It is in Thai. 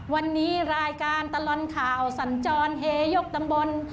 วันนี้รายการตลอดข่าวสัญจรเฮยกตำบล